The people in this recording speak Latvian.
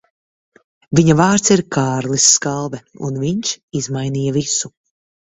Viņa vārds ir Kārlis Skalbe, un viņš izmainīja visu.